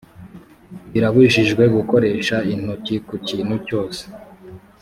birabujijwe gukoresha intoki ku kintu cyose